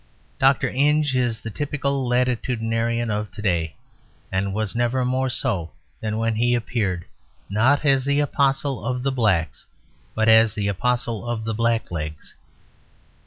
Dr. Inge is the typical latitudinarian of to day; and was never more so than when he appeared not as the apostle of the blacks, but as the apostle of the blacklegs.